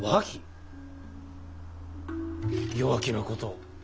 弱気なことを。